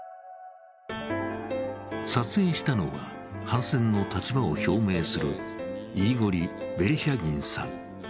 撮影したのは、反戦の立場を表明するイーゴリ・ベレシャギンさん。